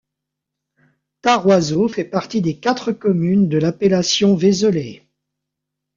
Tharoiseau fait partie des quatre communes de l'appellation vézelay.